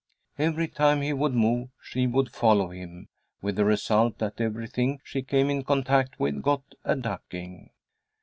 Every time he would move she would follow him, with the result that everything she came in contact with got a ducking.